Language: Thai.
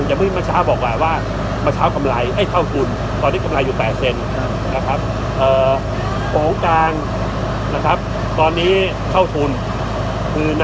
ว่าเมื่อก่อนเรากำไรเดียวน้ำรสเป็นสงคราม๘เซน